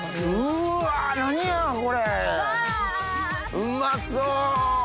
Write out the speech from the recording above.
うまそう！